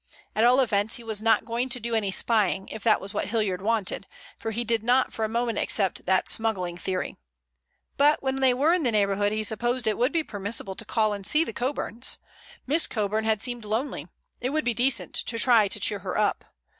At all events he was not going to do any spying, if that was what Hilliard wanted, for he did not for a moment accept that smuggling theory. But when they were in the neighborhood he supposed it would be permissible to call and see the Coburns. Miss Coburn had seemed lonely. It would be decent to try to cheer her up.